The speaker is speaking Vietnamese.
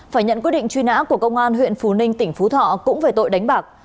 phải nhận quyết định truy nã của công an huyện phú ninh tỉnh phú thọ cũng về tội đánh bạc